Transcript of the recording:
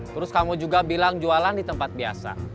terus kamu juga bilang jualan di tempat biasa